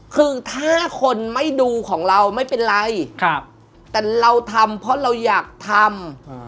คือถ้าคนไม่ดูของเราไม่เป็นไรแต่เราทำเพราะเราอยากทำ